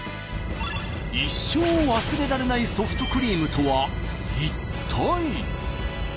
一生忘れられないソフトクリームとは一体。